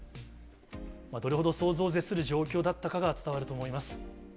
どれほど想像を絶する状況だったかが伝わると思います。